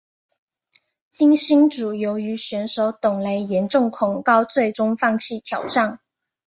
金星组由于选手董蕾严重恐高最终放弃挑战。